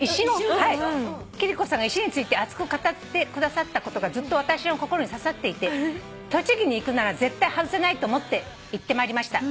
「貴理子さんが石について熱く語ってくださったことがずっと私の心に刺さっていて栃木に行くなら絶対外せないと思って行ってまいりました」